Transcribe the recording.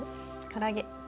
から揚げ